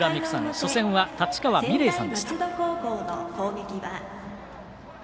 初戦は刀川美怜さんでした。